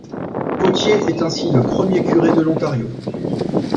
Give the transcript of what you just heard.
Potier est ainsi le premier curé de l'Ontario.